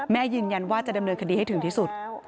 ยืนยันว่าจะดำเนินคดีให้ถึงที่สุด